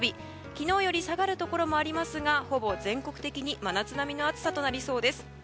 昨日より下がるところもありますがほぼ全国的に真夏並みの暑さとなりそうです。